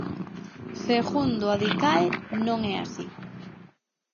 Segundo Adicae, non é así.